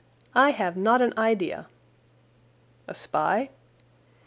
"I have not an idea." "A spy?"